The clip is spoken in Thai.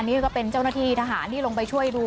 นี่ก็เป็นเจ้าหน้าที่ทหารที่ลงไปช่วยดู